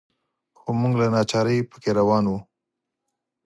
خو موږ له ناچارۍ په کې روان وو.